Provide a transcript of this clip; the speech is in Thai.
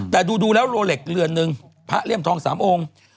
แต่ดูแล้วโลเล็กเรือนหนึ่งพระเลี่ยมทอง๓องค์